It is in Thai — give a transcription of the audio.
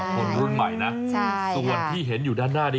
คนรุ่นใหม่นะส่วนที่เห็นอยู่ด้านหน้านี้